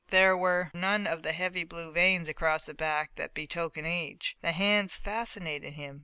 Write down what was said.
There were none of the heavy blue veins across the back that betoken age. The hands fascinated him.